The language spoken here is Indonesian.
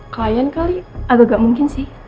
klien kali agak gak mungkin sih